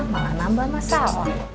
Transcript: malah nambah masalah